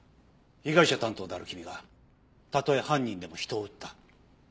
被害者担当である君がたとえ犯人でも人を撃った。